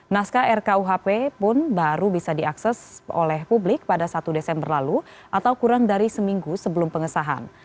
naskah rkuhp pun baru bisa diakses oleh publik pada satu desember lalu atau kurang dari seminggu sebelum pengesahan